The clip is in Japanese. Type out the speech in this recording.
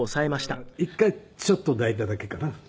だから１回ちょっと抱いただけかな